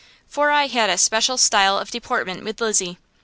For I had a special style of deportment for Lizzie.